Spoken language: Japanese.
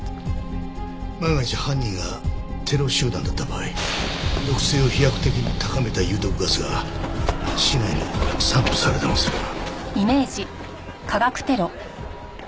万が一犯人がテロ集団だった場合毒性を飛躍的に高めた有毒ガスが市内に散布されでもすれば。